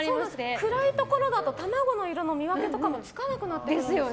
暗いところだと卵の色の見分けもつかなくなるんですよね。